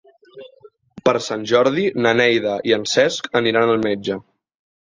Per Sant Jordi na Neida i en Cesc aniran al metge.